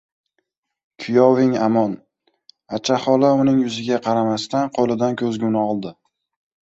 — Kuyoving amon... — Acha xola uning yuziga qaramasdan qo‘lidan ko‘zguni oldi.